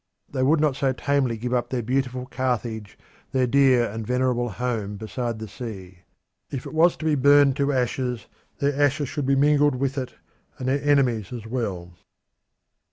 They would not so tamely give up their beautiful Carthage, their dear and venerable home beside the sea. If it was to be burnt to ashes, their ashes should be mingled with it, and their enemies' as well.